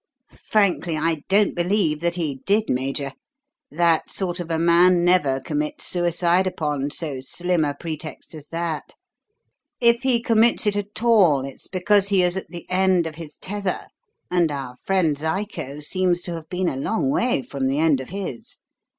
Frankly, I don't believe that he did, Major. That sort of a man never commits suicide upon so slim a pretext as that. If he commits it at all, it's because he is at the end of his tether and our friend 'Zyco' seems to have been a long way from the end of his.